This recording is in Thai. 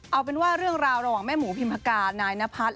เอาเป็นว่าเรื่องราวระหว่างแม่หมูพิมพกานายนพัฒน์